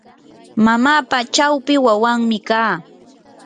mamapa chawpi wawanmi kaa.